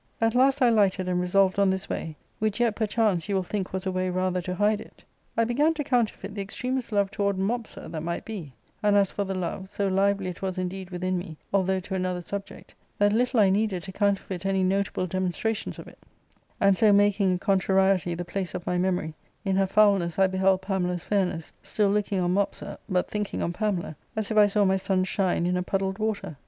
At last I lighted and resolved on this way, which yet perchance you will think was a way rather to hide it. I began to counterfeit the extremest love toward Mopsa / that might be ; and as for the love, so lively it was indeed within me, although to another subject, that little I needed to counterfeit any notable demonstrations of it ; and so making a contrariety the place of my memory, in her foulness I beheld Pamela's fairness, still looking on Mopsa, but thinking on Pamela ; as if I saw my sun shine in a puddled water.